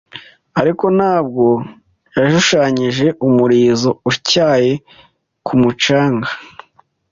Ariko ntabwo yashushanyije umurizo utyaye ku mucanga